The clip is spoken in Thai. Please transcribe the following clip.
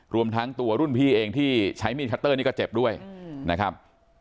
รวมทั้งตัวรุ่นพี่เองที่ใช้มีดคัตเตอร์นี่ก็เจ็บด้วยนะครับ